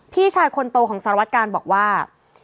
พี่ชายคนโตของสารวัตกาลบอกว่า